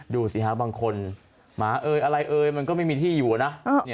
ดูสิฮะบางคนหมาเอ่ยอะไรเอ่ยมันก็ไม่มีที่อยู่นะ